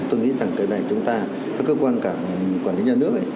tôi nghĩ rằng cái này chúng ta các cơ quan cả quản lý nhà nước ấy